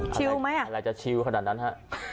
ไหมอ่ะอะไรจะชิวขนาดนั้นฮะ